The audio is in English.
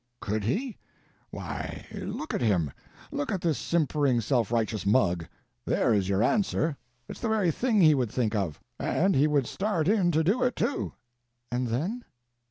"Could he? Why, look at him—look at this simpering self righteous mug! There is your answer. It's the very thing he would think of. And he would start in to do it, too." "And then?"